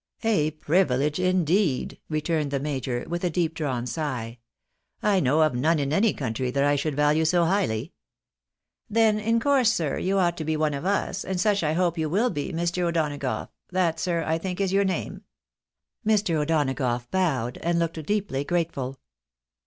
" A privilege, indeed !" returned the major, with a deep drawn sigh ;" I know of none in any country that I should value so highly." " Then, in course, sir, you ought to be one of us, and such: I hope you will be, Mr. O'Donagough ; that, sir, I think is your name ?" Mr. O'Donagough bowed, and looked deeply grateful.